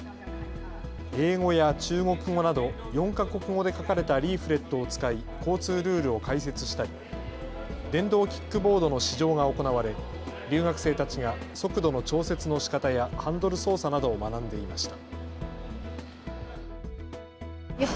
英語や中国語など４か国語で書かれたリーフレットを使い交通ルールを解説したり電動キックボードの試乗が行われ留学生たちが速度の調節のしかたやハンドル操作などを学んでいました。